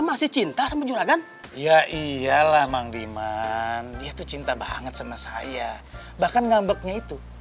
masih cinta sama menyulakan ya iyalah manggiman dia tuh cinta banget sama saya bahkan ngambeknya itu